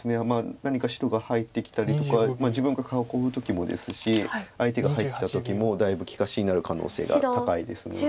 何か白が入ってきたりとか自分が囲う時もですし相手が入ってきた時もだいぶ利かしになる可能性が高いですので。